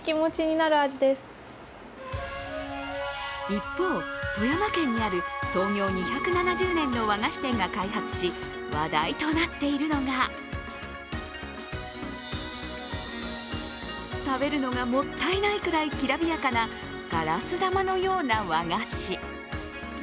一方、富山県にある、創業２７０年の和菓子店が開発し話題となっているのが食べるのがもったいないくらいきらびやかなガラス玉のような和菓子。